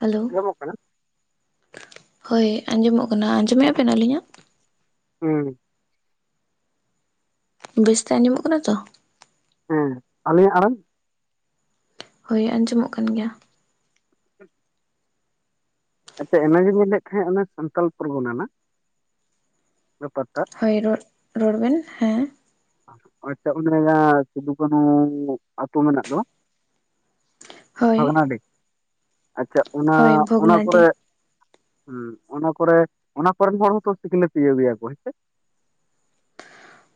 Hello, ᱟᱸᱡᱚᱢᱚᱜ ᱠᱟᱱᱟ ᱦᱳᱭ ᱟᱸᱡᱚᱢᱚᱜ ᱠᱟᱱᱟ, ᱟᱸᱡᱚᱢᱮᱫᱼᱟ ᱵᱮᱱ ᱟᱹᱞᱤᱧᱟᱜ? ᱦᱩᱸ ᱵᱮᱥᱛᱮ ᱟᱸᱡᱚᱢᱚᱜ ᱠᱟᱱᱟ ᱛᱚ? ᱦᱮᱸ, ᱟᱹᱞᱤᱧᱟᱜ ᱟᱲᱟᱝ? ᱦᱳᱭ ᱟᱸᱡᱚᱢᱚᱜ ᱠᱟᱱ ᱜᱮᱭᱟ᱾ ᱟᱪᱪᱷᱟ, ᱚᱱᱮ ᱜᱤᱧ ᱧᱮᱞᱮᱫ ᱛᱟᱦᱮᱸᱫ ᱚᱱᱟ ᱥᱟᱱᱛᱟᱞ ᱯᱚᱨᱜᱚᱱᱟ ᱨᱮᱱᱟᱜ, ᱨᱮᱯᱚᱨᱴᱟᱨ ᱦᱳᱭ ᱨᱚᱫ, ᱨᱚᱲ ᱵᱮᱱ ᱦᱮᱸ, ᱦᱚᱭᱛᱚ ᱩᱱ ᱟᱹᱭᱟᱹ ᱥᱤᱫᱩᱼᱠᱟᱱᱩᱻ ᱟᱹᱛᱩ ᱢᱮᱱᱟᱜ ᱫᱚ, ᱦᱳᱭ ᱵᱷᱚᱜᱽᱱᱟᱰᱤ, ᱟᱪᱪᱷᱟ ᱚᱱᱟᱻ ᱦᱳᱭ ᱚᱱᱟ ᱵᱷᱚᱜᱽᱱᱟᱰᱤ ᱠᱚᱨᱮ ᱦᱩᱸ ᱚᱱᱟ ᱠᱚᱨᱮ, ᱚᱱᱟ ᱠᱚᱨᱮᱱ ᱦᱚᱲ ᱦᱚᱸᱛᱚ ᱥᱤᱠᱱᱟᱹᱛ ᱤᱭᱟᱹ ᱜᱮᱭᱟᱣ ᱠᱚ ᱦᱮᱸ ᱪᱮ?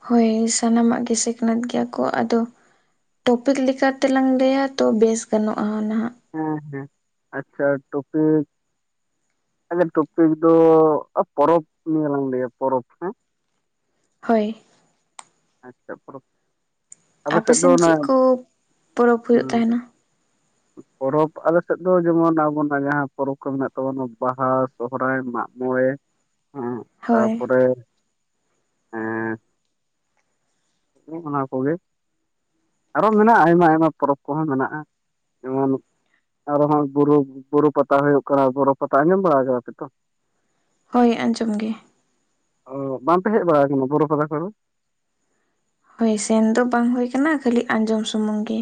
ᱦᱳᱭ ᱥᱟᱱᱟᱢᱟᱜ ᱜᱮ ᱥᱤᱠ ᱱᱟᱹᱛ ᱜᱮᱭᱟ ᱠᱚ ᱟᱫᱚ ᱴᱚᱯᱤᱠ ᱞᱮᱠᱟ ᱛᱮᱞᱟᱝ ᱞᱟᱹᱭᱟ ᱛᱚ ᱵᱮᱥ ᱜᱟᱱᱚᱜᱼᱟ, ᱦᱟᱸ ᱱᱟᱦᱟᱸᱜ, ᱦᱮᱸ ᱦᱮᱸ, ᱟᱪᱪᱷᱟ ᱴᱚᱯᱤᱠ [unintelligible] ᱴᱩᱯᱤᱠ ᱫᱚ ᱯᱚᱨᱚᱵᱽ ᱱᱤᱭᱟᱹ ᱞᱟᱝ ᱞᱟᱹᱭᱟ, ᱯᱚᱨᱚᱵᱽ ᱦᱮᱸ ᱦᱳᱭ᱾ ᱟᱪᱪᱷᱟ ᱯᱚᱨᱚᱵᱽ ᱟᱯᱮ ᱥᱮᱫ ᱫᱚ ᱥᱤᱱ ᱚᱱᱟ ᱪᱮᱫ ᱠᱩ ᱯᱚᱨᱚᱵᱽ ᱦᱩᱭᱩᱜ ᱛᱟᱦᱮᱱᱟ? [inaudible] ᱯᱚᱨᱚᱵᱽ ᱟᱞᱮ ᱥᱮᱫ ᱫᱚ ᱡᱮᱢᱚᱱ ᱟᱵᱚᱱᱟᱜ ᱡᱟᱦᱟᱸ ᱯᱚᱨᱚᱵᱽ ᱠᱚ ᱢᱮᱱᱟᱜ ᱛᱟᱵᱚᱱᱟ᱾ ᱵᱟᱦᱟ, ᱥᱚᱦᱨᱟᱭ, ᱢᱟᱜ ᱢᱚᱬᱮ᱾ ᱮᱸᱜ ᱦᱳᱭ ᱛᱟᱯᱚᱨᱮ ᱮᱸ᱾ ᱦᱮᱸ ᱚᱱᱟ ᱠᱚᱜᱮ᱾ ᱟᱨᱚ ᱢᱮᱱᱟᱜᱼᱟ ᱟᱭᱢᱟ ᱟᱭᱢᱟ ᱯᱚᱨᱚᱵᱽ ᱠᱚᱦᱚᱸ ᱢᱮᱱᱟᱜᱼᱟ ᱾ ᱡᱮᱢᱚᱱ ᱟᱨᱦᱚᱸ ᱦᱚᱜᱼᱚᱭ ᱵᱩᱨᱩ, ᱵᱩᱨᱩ ᱯᱟᱛᱟ ᱦᱩᱭᱩᱜ ᱠᱟᱱᱟ ᱾ ᱵᱚᱨᱚ ᱯᱟᱛᱟ ᱟᱸᱡᱚᱢ ᱵᱟᱲᱟ ᱠᱟᱫᱟ ᱯᱮ ᱛᱚ᱾ ᱦᱳᱭ ᱟᱸᱡᱚᱢ ᱜᱮ᱾ ᱚ ᱵᱟᱝᱯᱮ ᱦᱮᱠ ᱵᱟᱲᱟ ᱟᱠᱟᱱᱟ᱾ ᱵᱚᱨᱚ ᱯᱟᱛᱟ ᱠᱚᱫᱚ᱾ ᱦᱳᱭ ᱥᱮᱱ ᱫᱚ ᱵᱟᱝ ᱦᱳᱭ ᱟᱠᱟᱱᱟ᱾ ᱠᱷᱟᱹᱞᱤ ᱟᱸᱡᱚᱢ ᱥᱩᱢᱩᱝ ᱜᱮ᱾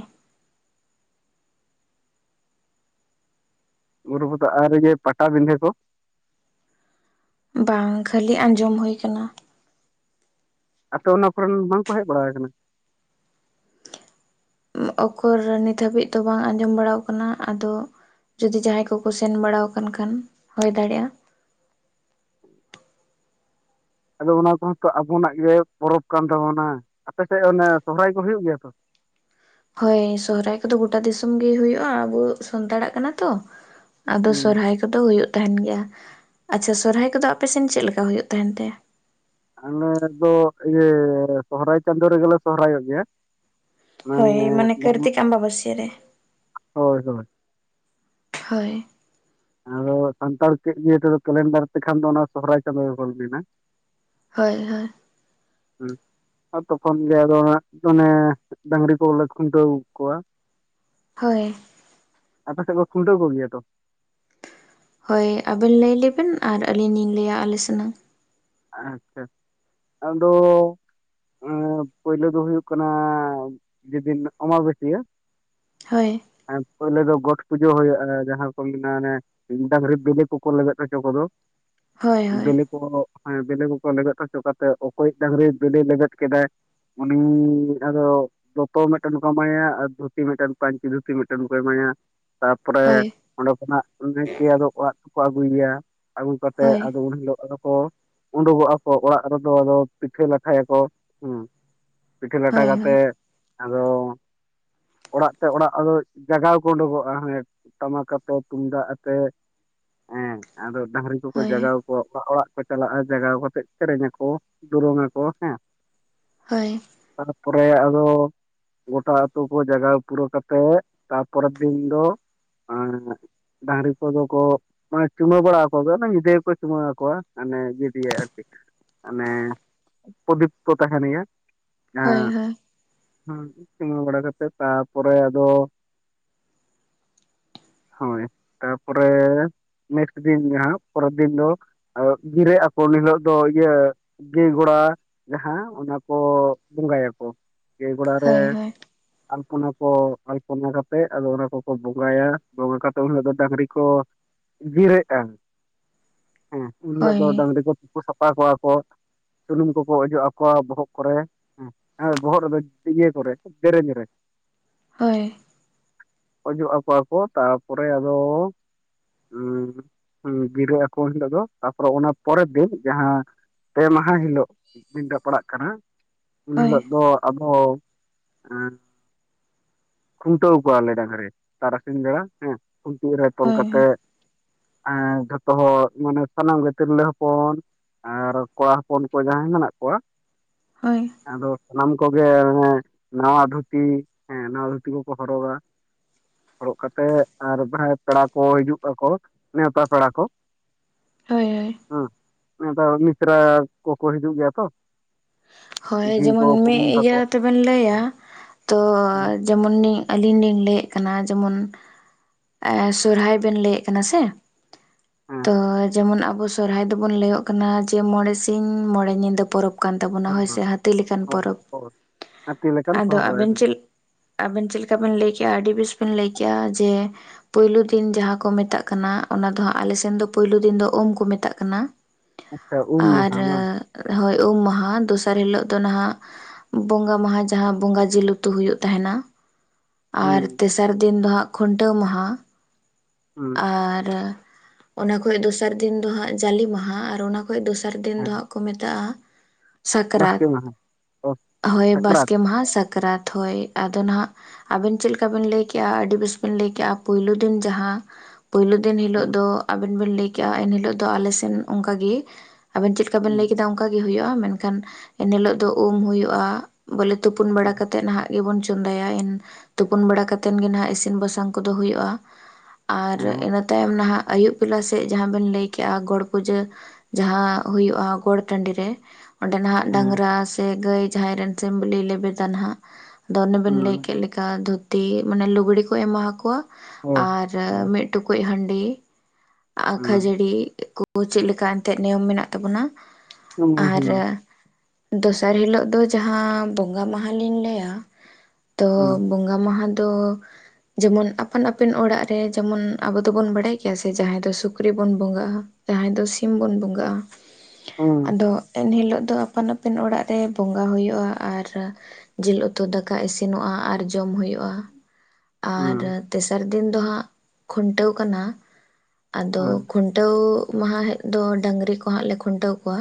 ᱵᱩᱨᱩ ᱯᱟᱛᱟ ᱾ ᱟᱨ ᱤᱭᱟᱹ ᱯᱟᱴᱟᱵᱤᱸᱫᱷᱟᱹ ᱠᱚ᱾ ᱵᱟᱝ, ᱠᱷᱟᱹᱞᱤ ᱟᱸᱡᱚᱢ ᱦᱳᱭ ᱠᱟᱱᱟ᱾ ᱟᱯᱮ ᱚᱱᱟ ᱠᱚᱨᱮᱱ ᱵᱟᱝᱠᱚ ᱦᱮᱠ ᱵᱟᱲᱟ ᱟᱠᱟᱱᱟ? ᱩᱠᱩᱨ, ᱱᱤᱛ ᱦᱟᱹᱵᱤᱡ ᱫᱚ ᱵᱟᱝ ᱟᱸᱡᱚᱢ ᱵᱟᱲᱟᱣ ᱠᱟᱱᱟ᱾ ᱟᱫᱚ ᱡᱩᱫᱤ ᱡᱟᱦᱟᱸᱭ ᱠᱚᱠᱚ ᱥᱮᱱ ᱵᱟᱲᱟ ᱟᱠᱟᱱ ᱠᱷᱟᱱ, ᱦᱚᱭ ᱫᱟᱲᱮᱭᱟᱜᱼᱟ᱾ ᱟᱫᱚ ᱚᱱᱟ ᱠᱚᱦᱚᱸ ᱛᱚ ᱟᱵᱚᱱᱟᱜ ᱜᱮ ᱯᱚᱨᱚᱵᱽ ᱠᱟᱱ ᱛᱟᱵᱚᱱᱟ᱾ ᱟᱯᱮ ᱥᱮᱜ ᱚᱱᱮ ᱥᱚᱦᱨᱟᱭ ᱠᱚ ᱦᱩᱭᱩᱜ ᱜᱮᱭᱟ ᱛᱚ? ᱦᱳᱭ ᱥᱚᱦᱨᱟᱭ ᱠᱚᱫᱚ ᱜᱩᱴᱟ ᱫᱤᱥᱚᱢ ᱜᱮ ᱦᱩᱭᱩᱜᱼᱟ ᱾ ᱟᱵᱚ ᱥᱟᱱᱛᱟᱲᱟᱜ ᱠᱟᱱᱟ ᱛᱚ᱾ ᱟᱫᱚ ᱦᱩᱸ ᱥᱚᱨᱦᱟᱭ ᱠᱚᱫᱚ ᱦᱩᱭᱩᱜ ᱛᱟᱦᱮᱱ ᱜᱮᱭᱟ᱾ ᱟᱪᱪᱷᱟ, ᱥᱚᱨᱦᱟᱭ ᱠᱚᱫᱚ ᱟᱯᱮ ᱥᱮᱱ ᱪᱮᱫ ᱞᱮᱠᱟ ᱦᱩᱭᱩᱜ ᱛᱟᱦᱮᱱ ᱛᱮ? ᱟᱞᱮ ᱫᱚ ᱤᱭᱟᱹ ᱥᱚᱦᱨᱟᱭ ᱪᱟᱸᱫᱳ ᱨᱮᱜᱮ ᱞᱮ ᱥᱚᱦᱨᱟᱭ ᱚᱜ ᱜᱮᱭᱟ᱾ ᱦᱳᱭ ᱢᱟᱱᱮ ᱠᱟᱹᱨᱛᱤᱠ ᱟᱢᱵᱟᱼᱵᱟᱹᱥᱭᱟ. ᱨᱮ᱾ ᱦᱳᱭ ᱦᱳᱭ᱾ ᱦᱳᱭ᱾ ᱟᱫᱚ ᱥᱟᱱᱛᱟᱲ ᱪᱮᱫ ᱤᱭᱟ. ᱠᱮᱞᱮᱱᱰᱟᱨ ᱛᱮᱠᱷᱟᱱ ᱫᱚ᱾ ᱚᱱᱟ ᱥᱚᱦᱨᱟᱭ ᱪᱟᱸᱫᱳ ᱜᱮ ᱵᱚᱱ ᱢᱮᱱᱟ᱾ ᱦᱳᱭ ᱦᱳᱭ᱾ ᱦᱩᱸ ᱛᱚᱠᱷᱚᱱ ᱜᱮ ᱟᱫᱚ ᱚᱱᱮ, ᱰᱟᱹᱝᱨᱤ ᱠᱚᱞᱮ ᱠᱷᱩᱱᱴᱟᱹᱣ ᱠᱚᱣᱟ᱾ ᱦᱳᱭ᱾ ᱟᱯᱮ ᱥᱮᱜ ᱠᱚ ᱠᱷᱩᱱᱴᱟᱹᱣ ᱠᱚ ᱜᱮᱭᱟ ᱛᱚ? ᱦᱳᱭ, ᱟᱵᱮᱱ ᱞᱟᱹᱭ ᱞᱮᱵᱮᱱ ᱾ᱟᱨ ᱟᱹᱞᱤᱧ ᱞᱤᱧ ᱞᱟᱹᱭᱼᱟ ᱟᱞᱮ ᱥᱮᱱᱟᱜ᱾ ᱟᱪᱪᱷᱟ, ᱟᱫᱚᱼᱼ ᱮᱸ ᱯᱟᱹᱭᱞᱳ ᱫᱚ ᱦᱩᱭᱩᱜ ᱠᱟᱱᱟ᱾ ᱡᱮᱫᱤᱱ ᱟᱢᱟᱵᱟ. ᱥᱭᱟ. ᱦᱳᱭ᱾ ᱦᱮᱸ, ᱯᱳᱭᱞᱳ ᱫᱚ ᱜᱚᱴ ᱯᱩᱡᱟᱹ ᱦᱳᱭᱳᱜᱼᱟ ᱾ ᱡᱟᱦᱟᱸ ᱠᱚ ᱢᱮᱱᱟ ᱚᱱᱮ ᱰᱟᱝᱨᱤ ᱵᱮᱞᱮ ᱠᱚᱠᱚ ᱞᱮᱵᱮᱫ ᱦᱚᱪᱚ ᱠᱚᱫᱚ᱾ ᱦᱳᱭ ᱦᱳᱭ ᱵᱮᱞᱮ ᱠᱚ ᱦᱮᱸ, ᱵᱮᱞᱮ ᱠᱚᱠᱚ ᱞᱮᱵᱮᱫ ᱦᱚᱪᱚ ᱠᱟᱛᱮ᱾ ᱚᱠᱚᱭᱮ ᱰᱟᱝᱨᱤ ᱵᱮᱞᱮ ᱞᱮᱵᱮᱫ ᱠᱮᱫᱟᱭ [unintelligible] ᱩᱱᱤᱻ ᱟᱫᱚ᱾ ᱫᱚᱛᱚ ᱢᱮᱫᱴᱮᱱ ᱠᱚ ᱮᱢᱟᱭᱟ ᱟᱨ ᱫᱷᱩᱛᱤ ᱢᱤᱫᱴᱮᱱ ᱯᱟᱹᱧᱪᱤ ᱫᱷᱩᱛᱤ ᱢᱤᱫᱴᱮᱱ ᱠᱚ ᱮᱢᱟᱭᱟ᱾ ᱛᱟᱯᱚᱨᱮ, ᱦᱳᱭ ᱚᱸᱰᱮ ᱠᱷᱚᱱᱟᱜ ᱱᱟᱭᱠᱮ ᱟᱫᱚ ᱚᱲᱟᱜ ᱛᱮᱠᱚ ᱟᱹᱜᱩᱭᱮᱭᱟ᱾ ᱟᱹᱜᱩ ᱠᱟᱛᱮᱫ ᱦᱳᱭ ᱟᱫᱚ ᱩᱱ ᱦᱤᱞᱳᱜ ᱟᱫᱚ ᱠᱚ ᱩᱰᱩᱠᱚᱜᱼᱟᱠᱚ ᱚᱲᱟᱜ ᱨᱮᱫᱚ ᱟᱫᱚ ᱯᱤᱴᱷᱟᱹ ᱞᱟᱴᱷᱟᱭ ᱟᱠᱚ᱾ ᱦᱩᱸ, ᱯᱤᱴᱷᱟᱹ ᱞᱟᱴᱷᱟ ᱦᱳᱭ ᱠᱟᱛᱮ ᱦᱳᱭ ᱟᱫᱚ, ᱚᱲᱟᱜ ᱛᱮ ᱚᱲᱟᱜ ᱟᱫᱚ ᱡᱟᱜᱟᱣ ᱠᱚ ᱩᱰᱩᱠᱚᱜᱼᱟ ᱦᱮᱸ ᱴᱟᱢᱟᱠ ᱟᱛᱮ, ᱛᱩᱢᱫᱟᱜ ᱟᱛᱮ᱾ ᱦᱮᱸ, ᱟᱫᱚ ᱰᱷᱟᱝᱨᱤ ᱩᱱᱠᱩ ᱠᱚ ᱦᱳᱭ ᱡᱟᱜᱟᱣ ᱠᱚᱣᱟ ᱚᱲᱟᱜ ᱚᱲᱟᱜ ᱠᱚ ᱪᱟᱞᱟᱜᱼᱟ ᱡᱟᱜᱟᱣ ᱠᱟᱛᱮ ᱥᱮᱨᱮᱧ ᱟᱠᱚ ᱫᱩᱨᱟᱝ ᱟᱠᱚ ᱦᱮᱸ, ᱦᱳᱭ᱾ ᱛᱟᱨᱯᱚᱨᱮ ᱟᱫᱚ, ᱜᱚᱴᱟ ᱟᱹᱛᱩ ᱠᱚ ᱡᱟᱜᱟᱣ ᱯᱩᱨᱟᱹᱣ ᱠᱟᱛᱮᱫ ᱛᱟᱯᱚᱨᱮᱨ ᱫᱤᱱ ᱫᱚ ᱰᱟᱝᱨᱤ ᱠᱚᱫᱚ ᱠᱚ ᱢᱟᱱᱮ ᱪᱩᱢᱟᱹ ᱵᱟᱲᱟ ᱟᱠᱚ ᱧᱤᱫᱟᱹᱠᱚ ᱪᱩᱢᱟᱹᱲᱟ ᱟᱠᱚᱣᱟ᱾ ᱢᱟᱱᱮ ᱤᱫᱤᱭᱟᱭ ᱟᱨᱠᱤ ᱢᱟᱱᱮ ᱯᱨᱚᱫᱤᱯ ᱛᱚ ᱛᱟᱦᱮᱱᱜᱮᱭᱟ᱾ ᱦᱳᱭ ᱦᱳᱭ᱾ ᱦᱮᱸ ᱥᱤᱢᱟᱹ ᱵᱟᱲᱟ ᱠᱟᱛᱮᱜ ᱛᱟᱨᱯᱚᱨᱮ ᱟᱫᱚ, ᱦᱳᱭ ᱛᱟᱨᱯᱚᱨᱮ ᱱᱮᱠᱥᱴ ᱫᱤᱱ ᱡᱟᱦᱟᱸ ᱯᱚᱨᱮᱨ ᱫᱤᱱ ᱫᱚ ᱜᱤᱨᱟᱹᱜ ᱟᱠᱚ ᱩᱱ ᱦᱤᱞᱳᱜ ᱫᱚ ᱤᱭᱟᱹ ᱜᱟᱹᱭ ᱜᱚᱲᱟ ᱡᱟᱦᱟᱸ ᱚᱱᱟ ᱠᱚ ᱵᱚᱸᱜᱟᱭᱟ ᱾ ᱠᱚ ᱜᱟᱹᱭ ᱜᱟᱲᱟ ᱨᱮ ᱦᱳᱭ ᱦᱳᱭ ᱚᱱᱟ ᱠᱚ ᱟᱞᱯᱚᱱᱟ ᱠᱟᱛᱮᱫ ᱟᱫᱚ ᱚᱱᱟ ᱠᱚᱠᱚ ᱵᱚᱸᱜᱟᱭᱟ ᱵᱚᱸᱜᱟ ᱠᱟᱛᱮᱫ ᱩᱱ ᱦᱤᱞᱳᱜ ᱫᱚ ᱰᱟᱝᱨᱤ ᱠᱚ, ᱡᱤᱨᱮᱫ ᱠᱟᱱ ᱦᱮᱸ ᱩᱱᱦᱤᱞᱚᱜ ᱫᱚ ᱦᱳᱭ ᱰᱟᱝᱨᱤ ᱠᱚ ᱥᱟᱯᱷᱟ ᱠᱚᱣᱟ ᱠᱚ ᱥᱩᱱᱩᱢ ᱠᱚᱠᱚ ᱚᱡᱚᱜ ᱟᱠᱚᱣᱟ ᱵᱚᱦᱚᱜ ᱠᱚᱨᱮ, ᱵᱚᱦᱚᱜ ᱨᱮᱫᱚ ᱤᱭᱟᱹᱠᱚᱨᱮ ᱫᱮᱨᱮᱧ ᱨᱮ᱾ ᱦᱳᱭ, ᱚᱡᱚᱜ ᱟᱠᱚᱣᱟ ᱠᱚ ᱛᱟᱨᱯᱚᱨᱮ ᱟᱫᱚ, ᱦᱩᱸ ᱵᱤᱨᱟᱹᱜ ᱟᱠᱚ ᱩᱱᱦᱤᱞᱳᱜ ᱫᱚ, ᱛᱟᱯᱚᱨᱮ ᱚᱱᱟ ᱯᱚᱨᱮᱨ ᱫᱤᱱ ᱡᱟᱦᱟᱸ ᱯᱮ ᱢᱟᱦᱟ ᱦᱤᱞᱳᱜ ᱢᱤᱫ ᱫᱤᱱ ᱴᱟᱜ ᱯᱟᱲᱟᱜ ᱠᱟᱱᱟ ᱩᱱ ᱦᱳᱭ ᱦᱤᱞᱚᱜ ᱫᱚ ᱟᱫᱚ, ᱠᱷᱩᱱᱴᱟᱣ ᱠᱚᱣᱟ ᱞᱮ ᱰᱟᱝᱨᱤ ᱛᱟᱨᱟᱥᱤᱝ ᱵᱮᱲᱟ ᱦᱮᱸ᱾ ᱠᱷᱩᱱᱴᱤ ᱨᱮ ᱛᱚᱞ ᱠᱟᱛᱮ ᱦᱳᱭ ᱡᱷᱚᱛᱚ ᱦᱚᱲ ᱢᱟᱱᱮ ᱥᱟᱱᱟᱢ ᱜᱮ ᱛᱤᱨᱞᱟᱹ ᱦᱚᱯᱚᱱ ᱟᱨ ᱠᱚᱲᱟ ᱦᱚᱯᱚᱱ ᱠᱚ ᱡᱟᱦᱟᱸᱭ ᱢᱮᱱᱟᱜ ᱠᱚᱣᱟ, ᱦᱳᱭ ᱟᱫᱚ ᱥᱟᱱᱟᱢ ᱠᱚᱜᱮ ᱱᱟᱣᱟ ᱫᱷᱩᱛᱤ ᱦᱮᱸ ᱱᱟᱣᱟ ᱫᱷᱩᱛᱤ ᱠᱚᱠᱚ ᱦᱚᱨᱚᱜᱟ, ᱦᱲᱚᱜ ᱠᱟᱛᱮ ᱟᱨ ᱡᱟᱸᱦᱟᱭ ᱯᱮᱲᱟ ᱠᱚ ᱦᱤᱡᱩᱜ ᱟᱠᱚ ᱱᱮᱶᱛᱟ ᱯᱮᱲᱟ ᱠᱚ᱾ ᱦᱳᱭ ᱦᱳᱭ᱾ ᱦᱮᱸ ᱱᱮᱣᱛᱟ ᱢᱤᱥᱨᱟ ᱠᱚᱠᱚ ᱦᱤᱡᱩᱜ ᱜᱮᱭᱟ ᱛᱚ ᱦᱳᱭ ᱡᱷᱤ ᱠᱚ ᱡᱮᱢᱚᱱ ᱢᱤᱫ ᱠᱩᱢᱟᱹᱝ ᱤᱭᱟᱹ ᱛᱟᱠᱚ ᱛᱮᱵᱮᱱ ᱞᱟᱹᱭᱟ ᱛᱚ, ᱦᱮᱸ ᱡᱮᱢᱚᱱᱤᱧ ᱟᱹᱞᱤᱧ ᱞᱤᱧ ᱞᱟᱹᱭᱮᱫ ᱠᱟᱱᱟ ᱡᱮᱢᱚᱱ ᱥᱚᱨᱦᱟᱭ ᱵᱮᱱ ᱞᱟᱹᱭᱮᱫ ᱠᱟᱱᱟ ᱥᱮ ᱦᱮᱸ ᱛᱚ ᱡᱮᱢᱚᱱ ᱟᱵᱚ, ᱥᱚᱨᱦᱟᱭ ᱫᱚᱵᱚᱱ ᱞᱟᱹᱭᱚᱜ ᱠᱟᱱᱟ ᱡᱮ ᱢᱚᱬᱮ ᱥᱤᱧ ᱢᱚᱬᱮ ᱧᱤᱫᱟᱹ ᱯᱚᱨᱚᱵᱽ ᱠᱟᱱ ᱛᱟᱵᱚᱱᱟ ᱦᱳᱭᱥᱮ, ᱦᱟᱹᱛᱤ ᱞᱮᱟᱱ ᱯᱚᱨᱚᱵ ᱦᱟᱹᱛᱤ ᱞᱮᱠᱟᱱ ᱟᱫᱚ ᱥᱚᱦᱚᱨᱟᱭ ᱟᱵᱮᱱ ᱪᱮᱫ ᱟᱵᱮᱱ ᱪᱮᱫ ᱞᱮᱠᱟ ᱵᱤᱱ ᱞᱟᱹᱭ ᱠᱮᱫᱼᱟ ᱟᱹᱰᱤ ᱵᱮᱥ ᱵᱮᱱ ᱞᱟᱹᱭ ᱠᱮᱭᱼᱟ ᱡᱮ, ᱯᱳᱭᱞᱳ ᱫᱤᱱ ᱡᱟᱦᱟᱸ ᱠᱚ ᱢᱮᱛᱟᱜ ᱠᱟᱱᱟ ᱚᱱᱟ ᱫᱚ ᱦᱟᱸᱜ ᱟᱞᱮ ᱥᱮᱱ ᱫᱚ ᱯᱳᱭᱞᱳ ᱫᱤᱱ ᱫᱚ ᱩᱢ ᱠᱚ ᱢᱮᱛᱟᱜ ᱠᱟᱱᱟ᱾ ᱟᱪᱪᱷᱟ ᱩᱢ ᱟᱨ ᱢᱟᱦᱟ ᱵᱟᱝ ᱦᱳᱭ ᱩᱢ ᱢᱟᱦᱟᱸ ᱫᱚᱥᱟᱨ ᱫᱚᱥᱟᱨ ᱦᱤᱞᱳᱜ ᱫᱚ ᱱᱟᱦᱟᱜ ᱵᱚᱸᱜᱟ ᱢᱟᱦᱟᱸ ᱡᱟᱦᱟᱸ ᱵᱚᱸᱜᱟ ᱡᱤᱞ ᱩᱛᱩ ᱦᱩᱭᱩᱜ ᱛᱟᱦᱮᱱᱟ᱾ ᱟᱨ ᱦᱩᱸ ᱛᱮᱥᱟᱨ ᱫᱤᱱ ᱫᱚ ᱦᱟᱸᱜ ᱠᱷᱩᱱᱴᱟᱹᱣ ᱢᱟᱦᱟ, ᱦᱩᱸ, ᱟᱨ ᱚᱱᱟ ᱠᱷᱚᱡ ᱫᱚᱥᱟᱨ ᱫᱤᱱ ᱫᱚ ᱦᱟᱸᱜ ᱡᱟᱞᱮ ᱢᱟᱦᱟᱸᱟᱨ ᱚᱱᱟ ᱠᱷᱚᱱ ᱫᱚᱥᱟᱨ ᱫᱤᱱ ᱫᱚ ᱦᱮᱸ ᱦᱟᱸᱜ, ᱠᱚ ᱢᱮᱛᱟᱜᱼᱟ ᱵᱟᱥᱠᱮ ᱥᱟᱠᱨᱟᱛ ᱢᱟᱦᱟ ᱚ ᱦᱳᱭ ᱥᱟᱠᱨᱟᱛ ᱵᱟᱥᱠᱮ ᱢᱟᱦᱟᱸ ᱥᱟᱠᱨᱟᱛ ᱦᱳᱭ᱾ ᱟᱫᱚ ᱱᱟᱦᱟᱸᱜ ᱟᱵᱮᱱ ᱪᱮᱫ ᱞᱮᱠᱟ ᱵᱮᱱ ᱞᱟᱹᱭ ᱠᱮᱜᱼᱟ ᱟᱹᱰᱤ ᱵᱮᱥ ᱵᱮᱱ ᱞᱟᱹᱭ ᱠᱮᱜᱼᱟ ᱯᱳᱭᱞᱳ ᱫᱤᱱ ᱡᱟᱦᱟᱸ, ᱯᱳᱭᱞᱳ ᱫᱤᱱ ᱦᱤᱞᱳᱜ ᱦᱩᱸ ᱫᱚ ᱟᱵᱮᱱ ᱵᱮᱱ ᱞᱟᱹᱭ ᱠᱮᱜᱼᱟ ᱮᱱ ᱦᱤᱞᱳᱜ ᱫᱚ ᱟᱞᱮ ᱥᱮᱱ ᱚᱱᱠᱟ ᱜᱮ᱾ ᱟᱵᱮᱱ ᱪᱮᱫ ᱞᱮᱠᱟ ᱵᱮᱱ ᱞᱟᱹᱭ ᱦᱩᱸ ᱠᱮᱫᱟ ᱚᱱᱠᱟ ᱜᱮ ᱦᱩᱭᱩᱜᱼᱟ, ᱢᱮᱱᱠᱷᱟᱱ ᱮᱱ ᱦᱤᱞᱳᱜ ᱫᱚ ᱩᱢ ᱦᱩᱭᱩᱜᱼᱟ᱾ ᱵᱚᱞᱮ ᱛᱩᱯᱩᱱ ᱵᱟᱲᱟ ᱦᱮᱸ ᱠᱟᱛᱮᱫ ᱱᱟᱦᱟᱜ ᱜᱮᱵᱚᱱ ᱪᱚᱸᱫᱟᱭᱟ ᱛᱩᱯᱩᱱ ᱵᱟᱲᱟ ᱠᱟᱛᱮᱫ ᱜᱮ ᱱᱟᱜ ᱤᱥᱤᱱ ᱵᱟᱥᱟᱝ ᱠᱚ ᱫᱚ ᱦᱩᱭᱩᱜᱼᱟ᱾ ᱟᱨ ᱤᱱᱟᱹ ᱛᱟᱭᱚᱢ ᱱᱟᱦᱟᱜ ᱟᱹᱭᱩᱵ ᱟᱯᱞᱟ ᱥᱮᱫ ᱡᱟᱦᱟᱸ ᱵᱮᱱ ᱞᱟᱹᱭ ᱠᱮᱜᱼᱟ ᱜᱚᱴ ᱯᱩᱡᱟᱹ ᱡᱟᱦᱟᱸ ᱦᱩᱭᱩᱜᱼᱟ ᱜᱚᱴ ᱴᱟᱺᱰᱤ ᱨᱮ᱾ ᱚᱸᱰᱮ ᱱᱟᱦᱟᱜ ᱦᱮᱸ ᱰᱟᱝᱨᱟ ᱥᱮ ᱜᱟᱹᱭ ᱡᱟᱦᱟᱸᱭ ᱨᱮᱱ ᱥᱤᱢ ᱵᱤᱞᱤ ᱞᱮᱵᱮᱫᱟ ᱱᱟᱦᱟᱜ ᱟᱫᱚ ᱚᱱᱮ ᱵᱮᱱ ᱞᱟᱹᱭ ᱦᱩᱸ ᱠᱮᱫ ᱞᱮ ᱫᱷᱩᱛᱤ ᱢᱟᱱᱮ ᱞᱩᱜᱽᱲᱤ ᱠᱚ ᱮᱢᱟ ᱠᱚᱣᱟ ᱦᱳᱭ ᱟᱨ ᱟᱨ ᱦᱳᱭ ᱢᱤᱫ ᱴᱩᱠᱩᱡ ᱦᱟᱺᱰᱤ ᱦᱩᱸ ᱠᱷᱟᱹᱡᱟᱹᱲᱤ ᱠᱳ ᱪᱮᱫ ᱚᱱᱠᱟ ᱞᱮᱠᱟ ᱮᱱᱛᱮᱫ ᱱᱤᱭᱚᱢ ᱢᱮᱱᱟᱜ ᱛᱟᱵᱚᱱᱟ ᱦᱩᱸ ᱾ ᱟᱨ ᱦᱩᱸ ᱫᱚᱥᱟᱨ ᱦᱤᱞᱳᱜ ᱫᱚ ᱡᱟᱦᱟᱸ ᱵᱚᱸᱜᱟ ᱢᱟᱦᱟ ᱞᱤᱧ ᱞᱟᱹᱭᱟ᱾ ᱛᱚ ᱦᱩᱸ ᱵᱚᱸᱜᱟ ᱢᱟᱦᱟ ᱫᱚ ᱡᱮᱢᱚᱱ ᱟᱯᱟᱱ ᱟᱹᱯᱤᱱ ᱚᱲᱟᱜ ᱨᱮ ᱡᱮᱢᱚᱱ ᱟᱵᱚ ᱫᱚᱵᱚᱱ ᱵᱟᱲᱟᱭ ᱜᱮᱭᱟ ᱥᱮ, ᱡᱟᱦᱟᱸᱭ ᱫᱚ ᱥᱩᱠᱨᱤ ᱵᱚᱱ ᱵᱚᱸᱜᱟᱜᱼᱟ᱾ ᱡᱟᱦᱟᱸᱭ ᱫᱚ ᱥᱤᱢ ᱵᱚᱱ ᱵᱚᱸᱜᱟᱜᱼᱟ᱾ ᱦᱩᱸ ᱟᱫᱚᱼᱼᱼ ᱮᱱ ᱦᱤᱞᱟᱹᱜ ᱫᱚ ᱟᱯᱟᱱ ᱟᱹᱯᱤᱱ ᱚᱲᱟᱜ ᱨᱮ ᱵᱚᱸᱜᱟ ᱦᱩᱭᱩᱜᱼᱟ᱾ ᱟᱨ ᱡᱤᱞ ᱩᱛᱩ ᱫᱟᱠᱟ ᱤᱥᱤᱱᱚᱜᱼᱟ ᱟᱨ ᱡᱚᱢ ᱦᱩᱭᱩᱜᱼᱟ᱾ ᱟᱨ ᱦᱩᱸ ᱛᱮᱥᱟᱨ ᱫᱤᱱ ᱫᱚ ᱦᱟᱸᱜ ᱠᱷᱩᱱᱴᱟᱹᱣ ᱠᱟᱱᱟ᱾ ᱟᱫᱚ ᱦᱩᱸ ᱠᱷᱩᱱ ᱠᱷᱩᱱᱴᱟᱹᱣ ᱢᱟᱦᱟ ᱦᱮᱫ ᱫᱚ ᱰᱟᱹᱝᱨᱤ ᱠᱚ ᱦᱟᱸᱜ ᱞᱮ ᱠᱷᱩᱱᱴᱟᱹᱣ ᱠᱚᱣᱟ᱾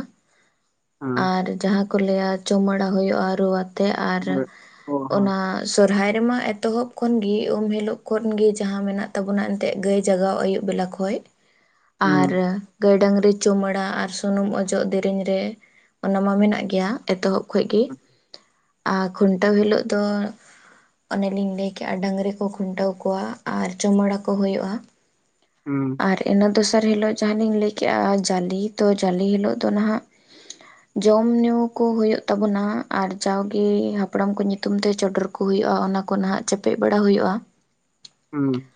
ᱦᱩᱸ ᱟᱨ ᱡᱟᱦᱟᱸ ᱠᱚ ᱞᱟᱹᱭᱟ ᱪᱩᱢᱟᱹᱲᱟ ᱦᱩᱭᱩᱜᱼᱟ, ᱨᱩ ᱟᱛᱮ ᱟᱨ ᱚᱱᱟ ᱥᱚᱨᱦᱟᱭ ᱨᱮᱢᱟ ᱮᱛᱚᱦᱚᱵ ᱠᱷᱚᱱᱜᱤ ᱩᱢ ᱦᱤᱞᱟᱹᱜ ᱠᱷᱚᱱ ᱜᱮ ᱡᱟᱦᱟᱸ ᱢᱮᱱᱟᱜ ᱛᱟᱵᱚᱱᱟ ᱮᱱᱛᱮᱫ ᱜᱟᱹᱭ ᱡᱟᱜᱟᱣ ᱟᱹᱭᱩᱵ ᱵᱮᱞᱟ ᱠᱷᱚᱡ᱾ [inaudible] ᱟᱨ ᱜᱟᱹᱭ ᱰᱟᱹᱝᱨᱤ ᱪᱩᱢᱟᱹᱲᱟ ᱟᱨ ᱥᱩᱱᱩᱢ ᱚᱡᱚᱜ ᱫᱮᱨᱮᱧ ᱨᱮ᱾ ᱚᱱᱟ ᱢᱟ ᱢᱮᱱᱟᱜ ᱜᱮᱭᱟ ᱮᱛᱚᱦᱚᱵ ᱠᱷᱚᱡ ᱜᱮ ᱟᱨ ᱠᱷᱩᱱᱴᱟᱹᱣ ᱦᱤᱞᱳᱜ ᱫᱚ ᱚᱱᱮᱞᱤᱧ ᱞᱟᱹᱭᱠᱮᱜᱼᱟ ᱰᱟᱹᱟᱝᱨᱤ ᱠᱚ ᱠᱷᱩᱱᱴᱟᱹᱣ ᱠᱚᱣᱟ ᱟᱨ ᱪᱩᱢᱟᱹᱲᱟ ᱠᱚ ᱦᱩᱭᱩᱜᱼᱟ᱾ ᱦᱩᱸ ᱟᱨ ᱤᱱᱟᱹ ᱫᱚᱥᱟᱨ ᱦᱤᱞᱳᱜ ᱡᱟᱦᱟᱸᱞᱤᱧ ᱞᱟᱹᱭᱠᱮᱜᱼᱟ ᱡᱟᱞᱤ ᱛᱚ ᱡᱟᱞᱤ ᱦᱤᱞᱳᱜ ᱫᱚ ᱱᱟᱦᱟᱜ [inaudible] ᱡᱚᱢ ᱧᱩ ᱠᱚ ᱦᱳᱭᱳᱜ ᱛᱟᱵᱩᱱᱟ ᱟᱨ ᱡᱟᱣᱜᱮ ᱦᱟᱯᱲᱟᱢᱠᱚ ᱧᱩᱛᱩᱢ ᱛᱮ ᱪᱚᱰᱚᱨ ᱠᱚ ᱠᱚ ᱦᱩᱭᱩᱜᱼᱟ ᱚᱱᱟ ᱠᱚ ᱱᱟᱦᱟᱜ ᱪᱟᱯᱮᱫ ᱵᱟᱲᱟ ᱦᱩᱭᱩᱜᱼᱟ᱾ ᱦᱩᱸ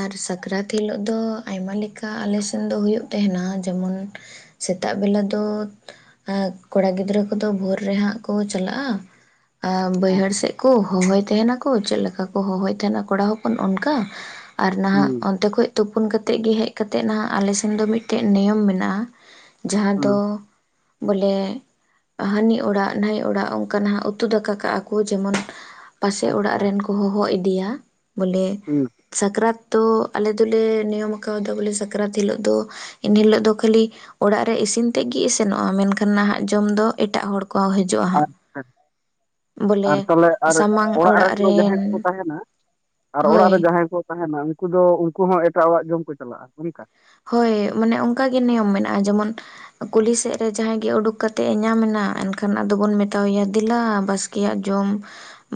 ᱟᱨ ᱥᱟᱠᱨᱟᱛ ᱦᱤᱞᱳᱜ ᱫᱚ ᱟᱭᱢᱟ ᱞᱮᱠᱟ ᱟᱞᱮ ᱥᱮᱱ ᱫᱚ ᱦᱳᱭᱳᱜ ᱛᱟᱦᱮᱸᱱᱟ ᱡᱮᱢᱚᱱ ᱥᱮᱛᱟᱜ ᱵᱮᱞᱟ ᱫᱚ ᱠᱚᱲᱟ ᱜᱤᱫᱽᱨᱟᱹ ᱠᱚᱫᱚ ᱵᱷᱳᱨ ᱨᱮ ᱦᱟᱸᱜ ᱠᱚ ᱪᱟᱞᱟᱜᱼᱟ, ᱟᱨ ᱵᱟᱹᱭᱦᱟᱹᱲ ᱟᱪᱪᱷᱟ ᱥᱮᱫ ᱠᱚ ᱦᱚᱦᱚᱭ ᱛᱟᱦᱮᱱᱟᱠᱚ ᱪᱮᱫ ᱞᱮᱠᱟ ᱠᱚ ᱦᱚᱦᱚᱭ ᱛᱟᱦᱮᱱᱟ ᱠᱚᱲᱟ ᱦᱚᱯᱚᱱ ᱚᱱᱠᱟ᱾ ᱟᱨ ᱱᱟᱦᱟᱜ ᱦᱩᱸ ᱚᱱᱛᱮ ᱠᱷᱚᱡ ᱛᱩᱯᱩᱱ ᱠᱟᱛᱮᱫ ᱜᱮ ᱦᱮᱡ ᱠᱟᱛᱮ ᱱᱟᱜ ᱟᱞᱮᱥᱮᱱ ᱫᱚ ᱢᱤᱫᱴᱮᱱ ᱱᱤᱭᱚᱢ ᱢᱮᱱᱟᱜᱼᱟ, ᱡᱟᱦᱟᱸ ᱦᱩᱸ ᱫᱚ ᱵᱚᱞᱮ ᱦᱟᱹᱱᱤ ᱚᱲᱟᱜ ᱱᱟᱹᱭ ᱚᱲᱟᱜ ᱚᱱᱠᱟᱱᱟᱜ ᱩᱛᱩ ᱫᱟᱠᱟ ᱠᱟᱜᱼᱟ ᱠᱚ ᱡᱮᱢᱚᱱ ᱯᱟᱥᱮ ᱚᱲᱟᱜ ᱟᱪᱪᱷᱟ ᱨᱮᱱ ᱠᱚ ᱦᱚᱦᱚ ᱤᱫᱤᱭᱟ ᱵᱚᱞᱮ ᱦᱩᱸ ᱥᱟᱠᱨᱟᱛ ᱫᱚ ᱟᱞᱮ ᱫᱚᱞᱮ ᱱᱤᱭᱚᱢ ᱠᱟᱣᱫᱟ ᱵᱚᱞᱮ ᱥᱟᱠᱨᱟᱛ ᱦᱤᱞᱟᱹᱜ ᱫᱚ ᱮᱱ ᱦᱤᱞᱟᱹᱜ ᱫᱚ ᱠᱷᱟᱹᱞᱤ ᱚᱲᱟᱜ ᱨᱮ ᱤᱥᱤᱱ ᱛᱮᱜ ᱜᱮ ᱤᱥᱤᱱ ᱥᱮᱱᱚᱜᱼᱟ ᱢᱮᱱᱠᱷᱟᱱ ᱱᱟᱦᱟᱜ ᱡᱚᱢ ᱫᱚ ᱮᱴᱟᱜ ᱦᱚᱲ ᱠᱚ ᱦᱤᱡᱩᱜᱼᱟ᱾ ᱦᱟᱸᱜ ᱟᱪᱪᱷᱟᱷᱟ [unintelligible] ᱵᱚᱞᱮ ᱟᱨ ᱛᱚᱞᱮ ᱟᱨ ᱚᱲᱟᱜ ᱨᱮᱱ ᱫᱚ ᱡᱟᱦᱟᱸᱭ ᱠᱚᱠᱚ ᱛᱟᱦᱮᱱᱟ ᱟᱨ ᱚᱲᱟᱜ ᱦᱳᱭ ᱨᱮ ᱡᱟᱦᱟᱸᱭ ᱠᱚ ᱛᱟᱦᱮᱱᱟ ᱩᱱᱠᱩ ᱫᱚ ᱩᱱᱠᱩ ᱦᱚᱸ ᱮᱴᱟᱜ ᱚᱲᱟᱜ ᱡᱚᱢ ᱠᱚ ᱪᱟᱞᱟᱜᱼᱟ᱾ ᱚᱱᱠᱟ ᱦᱳᱭ, ᱢᱟᱱᱮ ᱚᱱᱠᱟ ᱜᱮ ᱱᱤᱭᱚᱢ ᱢᱮᱱᱟᱜᱼᱟ, ᱡᱮᱢᱚᱱ ᱠᱩᱞᱦᱤ ᱥᱮᱫ ᱨᱮ ᱡᱟᱦᱟᱸᱭ ᱜᱮ ᱩᱰᱩᱠ ᱠᱟᱛᱮᱫ ᱮ ᱧᱟᱢ ᱮᱱᱟ ᱮᱱᱠᱷᱟᱱ ᱟᱫᱚ ᱵᱚᱱ ᱢᱮᱛᱟᱣᱮᱭᱟ ᱫᱮᱞᱟ ᱵᱟᱥ ᱠᱮᱭᱟᱜ ᱡᱚᱢ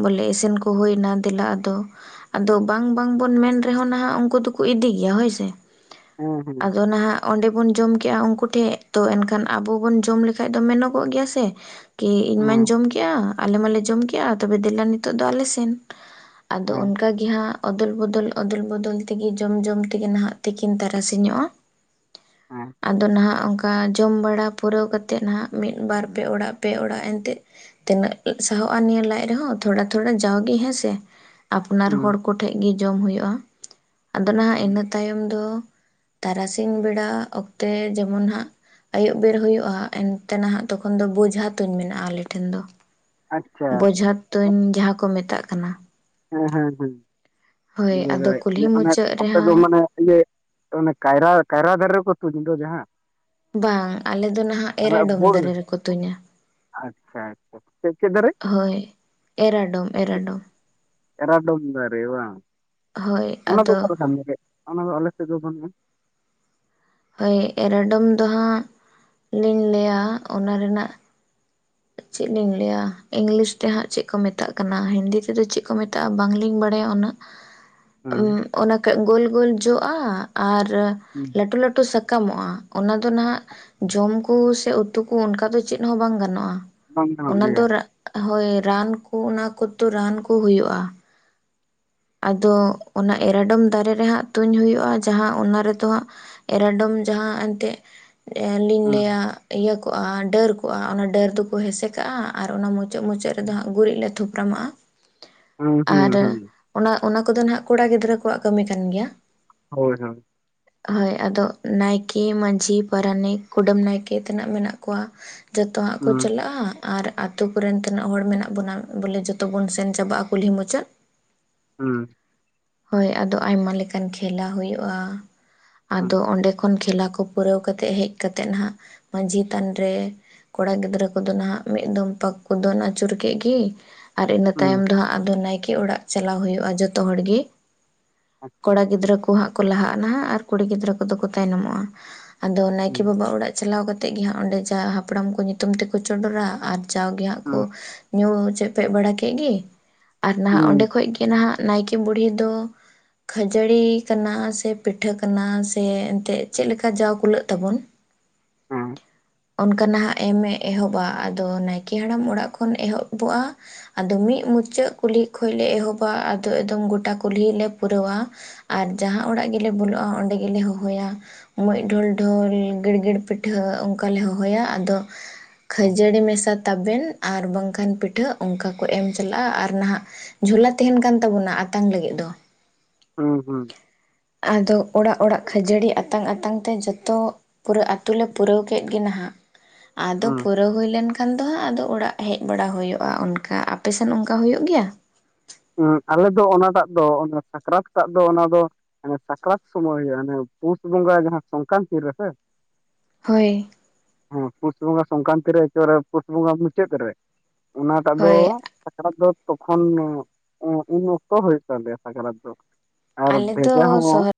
ᱵᱚᱞᱮ ᱤᱥᱤᱱ ᱠᱚ ᱦᱩᱭᱮᱱᱟ ᱫᱮᱞᱟ ᱟᱫᱚ ᱾ ᱟᱫᱚ ᱵᱟᱝ ᱵᱟᱝ ᱵᱚᱱ ᱢᱮᱱ ᱨᱮᱦᱚᱸ ᱱᱟᱦᱟᱜ ᱩᱱᱠᱩ ᱫᱚᱠᱚ ᱤᱫᱤ ᱜᱮᱭᱟ ᱦᱳᱭ ᱥᱮ ᱾ ᱦᱮᱸ [inaudible] ᱦᱮᱸ ᱟᱫᱚ ᱱᱟᱦᱟᱜ ᱚᱸᱰᱮ ᱵᱚᱱ ᱡᱚᱢ ᱠᱮᱜᱼᱟ ᱩᱱᱠᱩ ᱴᱷᱮᱡ, ᱛᱚ ᱮᱱᱠᱷᱟᱱ ᱟᱵᱚ ᱵᱚᱱ ᱡᱚᱢ ᱞᱮᱠᱷᱟᱡ ᱫᱚ ᱢᱮᱱᱚᱜᱚᱜ ᱜᱮᱭᱟ ᱥᱮ ᱾ ᱠᱤ ᱤᱧ ᱦᱮᱸ ᱢᱟᱧ ᱡᱚᱢ ᱠᱮᱜᱼᱟ ᱟᱞᱮ ᱢᱟᱞᱮ ᱡᱚᱢ ᱠᱮᱜᱼᱟ, ᱛᱚᱵᱮ ᱫᱮᱞᱟ ᱱᱤᱛᱳᱜ ᱫᱚ ᱟᱞᱮ ᱥᱮᱱ ᱾ ᱟᱫᱚ ᱦᱮᱸ ᱚᱱᱠᱟ ᱜᱮ ᱦᱟᱸᱜ ᱚᱫᱚᱞ ᱵᱚᱫᱚᱞ ᱚᱫᱚᱞ ᱵᱚᱫᱚᱞ ᱛᱮᱜᱮ ᱡᱚᱢ ᱡᱚᱢ ᱛᱮᱜᱮ ᱱᱟᱦᱟᱜ ᱛᱤᱠᱤᱱ ᱛᱟᱨᱟᱥ ᱤᱧᱚᱜ-ᱟ ᱦᱮᱸ ᱾ ᱟᱫᱚ ᱱᱟᱦᱟᱜ ᱚᱱᱠᱟ ᱚᱱᱠᱟ ᱡᱚᱢ ᱵᱟᱲᱟ ᱯᱩᱨᱟᱹᱣ ᱠᱟᱛᱮᱫ ᱱᱟᱦᱟᱜ ᱢᱤᱫ ᱵᱟᱨ ᱯᱮ ᱚᱲᱟᱜ, ᱯᱮ ᱚᱲᱟᱜ ᱮᱱᱛᱮᱫ ᱛᱤᱱᱟᱹᱜ ᱥᱟᱦᱚᱜᱼᱟ ᱱᱤᱭᱟᱹ ᱞᱟᱡ ᱨᱮᱦᱚᱸ ᱛᱷᱚᱲᱟ ᱛᱷᱚᱲᱟ ᱡᱟᱣᱜᱤ ᱦᱮᱸ ᱥᱮ ᱾ ᱟᱯᱱᱟᱨ ᱦᱚᱲ ᱦᱩᱸ ᱠᱚᱴᱷᱮᱡ ᱜᱮ ᱡᱚᱢ ᱦᱩᱭᱩᱜᱼᱟ᱾ ᱟᱫᱚ ᱱᱟᱦᱟᱜ ᱦᱩᱸ ᱤᱱᱟᱹ ᱛᱟᱭᱚᱢ ᱫᱚ ᱛᱟᱨᱟᱥᱤᱧ ᱵᱮᱲᱟ ᱚᱠᱛᱮ ᱡᱮᱢᱚᱱ ᱦᱟᱸᱜ ᱟᱹᱭᱩᱵ ᱵᱮᱨ ᱦᱩᱭᱩᱜᱼᱟ ᱾ ᱮᱱᱛᱮ ᱱᱟᱦᱟᱜ ᱛᱚᱠᱷᱚᱱ ᱫᱚ ᱵᱚᱡᱷᱟ ᱛᱩᱧ ᱢᱮᱱᱟᱜᱼᱟ ᱟᱞᱮ ᱴᱷᱮᱱ ᱫᱚ ᱾ ᱟᱪᱪᱷᱟ᱾ ᱵᱚᱡᱷᱟ ᱛᱩᱧ ᱡᱟᱦᱟ ᱠᱚ ᱢᱮᱛᱟᱜ ᱠᱟᱱᱟ ᱾ ᱦᱮᱸ ᱦᱮᱸ ᱦᱮᱸ, [inaudible] ᱵᱩᱡᱦᱟᱹᱣ ᱟᱫᱚ ᱫᱟᱲᱮᱭᱟᱜ ᱠᱩᱞᱦᱤ ᱠᱟᱱᱤᱧ ᱢᱟᱱᱮ ᱢᱩᱪᱟᱹᱫ ᱟᱯᱮ ᱫᱚ ᱨᱮᱦᱟᱸᱜ ᱢᱟᱱᱮ ᱤᱭᱟ. ᱚᱱᱮ ᱠᱟᱭᱨᱟ, ᱠᱟᱭᱨᱟ ᱫᱟᱨᱮ ᱨᱮᱠᱚ ᱛᱩᱧ ᱫᱚ ᱡᱟᱦᱟ ᱾ ᱵᱟᱝ ᱟᱞᱮ ᱫᱚ ᱱᱟᱦᱟᱜ ᱮᱨᱟᱰᱚᱢ ᱵᱳᱲ ᱨᱮ ᱫᱟᱨᱮ ᱨᱮᱠᱚ ᱛᱩᱧᱟ ᱟᱪᱪᱷᱟ ᱟᱪᱪᱷᱟ ᱪᱮᱫ ᱪᱮᱫ ᱫᱟᱨᱮ ᱾ [inaudible] ᱦᱳᱭ ᱮᱨᱟᱰᱚᱢ ᱮᱨᱟᱰᱚᱢ ᱾ ᱮᱨᱟᱰᱚᱢ ᱫᱟᱨᱮ ᱵᱟᱝ? ᱦᱳᱭ [inaudible] ᱚᱱᱟ ᱫᱚ ᱚᱠᱟ ᱟᱫᱚ ᱞᱮᱠᱟ? [inaudible] ᱚᱱᱟ ᱫᱚ ᱟᱞᱮ ᱥᱮᱫ ᱫᱚ ᱵᱟᱱᱩᱜᱼᱟ ᱾ ᱦᱳᱭ, ᱮᱨᱟᱰᱚᱢ ᱫᱚ ᱦᱟᱸᱜ ᱞᱤᱧ ᱞᱟᱹᱭᱟ ᱚᱱᱟ ᱨᱮᱱᱟᱜ ᱪᱮᱫ ᱞᱤᱧ ᱞᱟᱹᱭᱟ ᱤᱝᱞᱤᱥ ᱛᱮ ᱦᱟᱸᱜ ᱪᱮᱫ ᱠᱚ ᱢᱮᱛᱟᱜ ᱠᱟᱱᱟ, ᱦᱤᱱᱫᱤ ᱛᱮᱫᱚ ᱪᱮᱫ ᱠᱚ ᱢᱮᱛᱟᱜᱼᱟ ᱵᱟᱝᱞᱤᱧ ᱵᱟᱲᱟᱭᱟ ᱩᱱᱟᱹᱜ ᱾ [inaudible] ᱚᱱᱟ ᱠᱮᱡ ᱜᱳᱞ ᱜᱳᱞ ᱡᱚᱜᱼᱟ ᱟᱨ ᱦᱩᱸ ᱾ ᱞᱟᱹᱴᱩ ᱞᱟᱹᱴᱩ ᱥᱟᱠᱟᱢᱚᱜᱼᱟ, ᱚᱱᱟ ᱫᱚ ᱱᱟᱦᱟᱜ ᱡᱚᱢ ᱠᱩ ᱥᱮ ᱩᱛᱩ ᱠᱚ ᱚᱱᱠᱟ ᱫᱚ ᱪᱮᱫ ᱦᱚᱸ ᱵᱟᱝ ᱜᱟᱱᱚᱜᱼᱟ ᱾ ᱵᱟᱝ [inaudible] ᱜᱟᱱᱚᱜ ᱚᱱᱟ ᱫᱚ ᱜᱮᱭᱟ ᱦᱳᱭ ᱨᱟᱱ ᱠᱩ ᱚᱱᱟ ᱠᱚᱫᱚ ᱨᱟᱱ ᱠᱩ ᱦᱩᱭᱩᱜᱼᱟ ᱾ ᱟᱫᱚ ᱚᱱᱟ ᱮᱨᱟᱰᱚᱢ ᱫᱟᱨᱮ ᱨᱮ ᱦᱟᱸᱜ ᱛᱩᱧ ᱦᱩᱭᱩᱜᱼᱟ ᱾ ᱡᱟᱦᱟ ᱚᱱᱟ ᱨᱮᱫᱚ ᱦᱟᱸᱜ ᱮᱨᱟᱰᱚᱢ ᱡᱟᱦᱟ ᱮᱱᱛᱮ ᱞᱤᱧ ᱦᱮᱸ ᱞᱟᱹᱭᱟ ᱤᱭᱟᱹ ᱠᱚᱜᱼᱟ ᱰᱟᱹᱨ ᱠᱚᱜᱼᱟ ᱾ ᱚᱱᱟ ᱰᱟᱹᱨ ᱫᱚᱠᱚ ᱦᱮᱸᱥᱮ ᱠᱟᱜᱼᱟ ᱟᱨ ᱚᱱᱟ ᱢᱩᱪᱟᱹᱫ, ᱢᱩᱪᱟᱹᱫ ᱨᱮᱫᱚ ᱦᱟᱸᱜ ᱜᱩᱨᱤᱡ ᱞᱮ ᱛᱷᱩᱯᱨᱟᱢᱟᱜᱼᱟ ᱦᱩᱸ ᱦᱩᱸ ᱟᱨ ᱦᱩᱸ ᱚᱱᱟ, ᱚᱱᱟ ᱠᱚᱫᱚ ᱦᱟᱜ ᱠᱚᱲᱟ ᱜᱤᱫᱽᱨᱟᱹ ᱠᱚᱣᱟᱜ ᱠᱟᱹᱢᱤ ᱠᱟᱱ ᱜᱮᱭᱟ ᱾ ᱦᱳᱭ ᱦᱳᱭ ᱾ ᱦᱳᱭ ᱟᱫᱚ ᱱᱟᱭᱠᱮ, ᱢᱟᱹᱡᱷᱤ, ᱯᱟᱨᱟᱱᱤᱠ, ᱠᱩᱰᱟᱹᱢ ᱱᱟᱭᱠᱮ ᱛᱤᱱᱟᱹᱜ ᱢᱮᱱᱟᱜ ᱠᱚᱣᱟ ᱡᱚᱛᱚ ᱦᱟᱜ ᱠᱚ ᱦᱩᱸ ᱪᱟᱞᱟᱜᱼᱟ ᱾ ᱟᱨ ᱟᱛᱳ ᱠᱚᱨᱮᱱ ᱛᱤᱱᱟᱹᱜ ᱦᱚᱲ ᱢᱮᱱᱟᱜ ᱵᱚᱱᱟ, ᱵᱚᱞᱮ ᱡᱚᱛᱚ ᱵᱚᱱ ᱥᱮᱱ ᱪᱟᱵᱟᱜᱼᱟ ᱠᱩᱞᱦᱤ ᱢᱩᱪᱟᱹᱫ ᱾ ᱦᱩᱸ ᱾ ᱦᱳᱭ ᱟᱫᱚ ᱟᱭᱢᱟ ᱞᱮᱠᱟᱱ ᱠᱷᱮᱞᱟ ᱦᱩᱭᱩᱜᱼᱟ ᱾ [inaudible] ᱦᱩᱸ ᱟᱫᱚ ᱚᱸᱰᱮ ᱛᱚᱠᱷᱚᱱ ᱠᱷᱮᱞᱟ ᱠᱚ ᱯᱩᱨᱟᱹᱣ ᱠᱟᱛᱮ ᱦᱮᱡ ᱠᱟᱛᱮᱜ ᱦᱟᱜ ᱢᱟᱹᱡᱷᱤ ᱛᱷᱟᱱ ᱨᱮ ᱠᱚᱲᱟ ᱜᱤᱫᱽᱨᱟᱹ ᱠᱚᱫᱚ ᱱᱟᱦᱟᱸᱜ ᱢᱤᱫ ᱫᱚᱢ ᱯᱟᱠ ᱠᱚ ᱫᱚᱱ ᱟᱹᱪᱩᱨ ᱠᱮᱫ ᱜᱮ ᱾ ᱟᱨ ᱤᱱᱟᱹ ᱛᱟᱭᱚᱢ ᱦᱩᱸ ᱫᱚ ᱦᱟᱸᱜ ᱟᱫᱚ ᱱᱟᱭᱠᱮ ᱚᱲᱟᱜ ᱪᱟᱞᱟᱣ ᱦᱩᱭᱩᱜᱼᱟ ᱡᱚᱛᱚ ᱦᱚᱲ ᱜᱤ ᱾ [inaudible] [inaudible] ᱟᱪᱪᱷᱟ ᱠᱚᱲᱟ ᱜᱤᱫᱽᱨᱟᱹ ᱠᱚ ᱦᱟᱸᱜ ᱠᱚ ᱞᱟᱦᱟᱜᱼᱟ ᱱᱟᱦᱟᱸᱜ ᱟᱨ ᱠᱩᱲᱤ ᱜᱤᱫᱽᱨᱟᱹ ᱠᱚᱫᱚ ᱠᱚ ᱛᱟᱭᱱᱚᱢᱚᱜᱼᱟ ᱾ [inaudible] ᱟᱫᱚ ᱱᱟᱭᱠᱮ ᱦᱩᱸ ᱵᱟᱵᱟ ᱚᱲᱟᱜ ᱪᱟᱞᱟᱣ ᱠᱟᱛᱮᱫ ᱜᱮ ᱦᱟᱸᱜ ᱚᱸᱰᱮ ᱡᱟ ᱦᱟᱯᱲᱟᱢ ᱠᱚ ᱧᱩᱛᱩᱢ ᱛᱮᱠᱚ ᱪᱚᱰᱚᱨᱟ ᱟᱨ ᱡᱟᱣ ᱜᱮ ᱦᱟᱸᱜ ᱠᱚ ᱦᱩᱸ ᱧᱩ ᱪᱮᱯᱮᱡ ᱵᱟᱲᱟ ᱠᱮᱫ ᱜᱮ ᱟᱨ ᱱᱟᱦᱟᱜ ᱚᱸᱰᱮ ᱦᱩᱸ ᱠᱷᱚᱡ ᱜᱮ ᱱᱟᱦᱟᱜ ᱱᱟᱭᱠᱮ ᱵᱩᱲᱦᱤ ᱫᱚ ᱠᱷᱟᱹᱡᱟᱹᱲᱤ ᱠᱟᱱᱟ ᱥᱮ ᱯᱤᱴᱷᱟᱹ ᱠᱟᱱᱟ ᱥᱮ ᱮᱱᱛᱮᱫ ᱪᱮᱫ ᱞᱮᱠᱟ ᱡᱟᱣ ᱠᱩᱞᱟᱹᱜ ᱛᱟᱵᱚᱱ, ᱦᱮᱸ, ᱚᱱᱠᱟ ᱱᱟᱦᱟᱜ ᱮᱢᱮ ᱮ ᱮᱦᱚᱵᱟ ᱟᱫᱚ ᱱᱟᱭᱠᱮ ᱦᱟᱲᱟᱢ ᱚᱲᱟᱜ ᱠᱷᱚᱱ ᱮᱦᱚᱵᱚᱜᱼᱟ᱾ ᱟᱫᱚ ᱢᱤᱫ ᱢᱩᱪᱟᱹᱫ ᱠᱩᱞᱦᱤ ᱠᱷᱚᱡ ᱞᱮ ᱮᱦᱚᱵᱟ ᱟᱫᱚ ᱮᱠᱫᱚᱢ ᱜᱚᱴᱟ ᱠᱩᱞᱦᱤ ᱞᱮ ᱯᱩᱨᱟᱹᱣᱼᱟ᱾ ᱟᱨ ᱡᱟᱦᱟᱸ ᱚᱲᱟᱜ ᱜᱮᱞᱮ ᱵᱚᱞᱚᱜᱼᱟ ᱚᱸᱰᱮ ᱜᱮᱞᱮ ᱦᱚᱦᱚᱭᱟ, ᱢᱩᱡ ᱰᱷᱞ ᱰᱷᱞ ᱜᱤᱲᱜᱤᱲ ᱯᱤᱴᱷᱟᱹ ᱚᱱᱠᱟ ᱞᱮ ᱦᱚᱦᱚᱭᱟ, ᱟᱫᱚ ᱦᱮᱸ ᱠᱷᱟᱹᱡᱟᱹᱲᱤ ᱢᱮᱥᱟ ᱛᱟᱵᱮᱱ ᱟᱨ ᱵᱟᱝᱠᱷᱟᱱ ᱯᱤᱴᱷᱟᱹ ᱚᱱᱠᱟ ᱠᱚ ᱮᱢ ᱪᱟᱞᱟᱜᱼᱟ, ᱟᱨ ᱱᱟᱦᱟᱜ ᱡᱷᱚᱞᱟ ᱛᱟᱦᱮᱱ ᱠᱟᱱ ᱛᱟᱵᱚᱱᱟ ᱟᱛᱟᱝ ᱞᱟᱹᱜᱤᱫ ᱫᱚ, ᱦᱩᱸ ᱦᱩᱸ, ᱟᱫᱚ ᱚᱲᱟᱜ ᱚᱲᱟᱜ ᱠᱷᱟᱹᱡᱟᱹᱲᱤ ᱟᱛᱟᱝ ᱟᱛᱟᱝ ᱛᱮ ᱡᱚᱛᱚ ᱯᱩᱨᱟᱹ ᱟᱛᱳ ᱞᱮ ᱯᱩᱨᱟᱹᱣ ᱠᱮᱫ ᱜᱮ ᱱᱟᱦᱟᱜ, ᱟᱫᱚ ᱯᱩᱨᱟᱹᱣ ᱦᱩᱭ ᱞᱮᱱᱠᱷᱟᱱ ᱠᱷᱟᱱ ᱫᱚ ᱦᱟᱸᱜ ᱟᱫᱚ ᱚᱲᱟᱜ ᱦᱮᱡ ᱵᱟᱲᱟ ᱦᱩᱭᱩᱜᱼᱟ, ᱚᱱᱠᱟ ᱟᱯᱮᱥᱮᱱ ᱚᱱᱠᱟ ᱦᱩᱭᱩᱜ ᱜᱮᱭᱟ? ᱟᱞᱮ ᱫᱚ ᱚᱱᱟᱴᱟᱜ ᱫᱚ ᱥᱟᱠᱨᱟᱛ ᱴᱟᱜ ᱫᱚ ᱚᱱᱟ ᱫᱚ ᱢᱟᱱᱮ ᱥᱟᱠᱨᱟᱛ ᱥᱚᱢᱚᱭ ᱦᱩᱭᱩᱜᱼᱟ ᱯᱩᱥ ᱵᱚᱸᱜᱟ ᱡᱟᱦᱟᱸ ᱥᱚᱝᱠᱟᱱᱛᱤ ᱨᱮᱥᱮ ᱦᱳᱭ᱾ ᱦᱮ ᱯᱩᱥ ᱵᱚᱸᱜᱟ ᱥᱚᱝᱠᱟᱱᱛᱤ ᱨᱮ ᱮᱠᱮᱵᱟᱨᱮ ᱯᱩᱥ ᱵᱚᱸᱜᱟ ᱢᱩᱪᱟᱹᱫ ᱨᱮ᱾ ᱚᱱᱟᱴᱟᱜ ᱫᱚ ᱦᱳᱭ ᱥᱟᱠᱨᱟᱛ ᱫᱚ ᱛᱚᱠᱷᱚᱱ ᱩᱱ ᱚᱠᱛᱚ ᱦᱩᱭᱩᱜ ᱛᱟᱞᱮᱭᱟ ᱥᱟᱠᱨᱟᱛ ᱫᱚ, ᱟᱨ ᱟᱞᱮ ᱫᱚ ᱵᱷᱮᱡᱟ ᱦᱚᱸ ᱥᱚᱦᱚᱨ